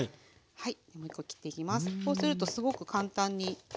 はい。